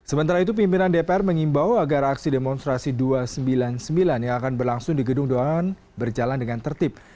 sementara itu pimpinan dpr mengimbau agar aksi demonstrasi dua ratus sembilan puluh sembilan yang akan berlangsung di gedung doangan berjalan dengan tertib